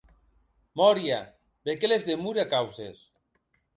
Moria, be que les demore causes.